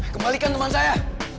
kembalikan teman saya